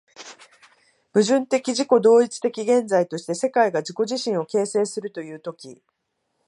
矛盾的自己同一的現在として、世界が自己自身を形成するという時、